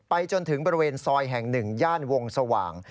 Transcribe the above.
จนถึงบริเวณซอยแห่ง๑ย่านวงสว่าง